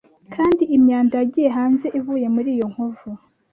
kandi imyanda yagiye hanze ivuye muri iyo nkovu